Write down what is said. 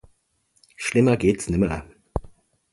Schlimmer geht's nimmer.